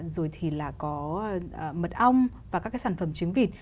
rồi thì là có mật ong và các cái sản phẩm trứng vịt